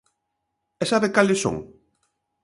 ¿E sabe cales son?